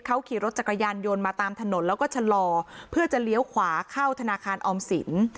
เขาขี่รถจักรยานยนต์มาตามถนนแล้วก็ชะลอเพื่อจะเลี้ยวขวาเข้าธนาคารออมสิน